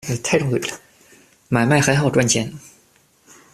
买卖很好赚钱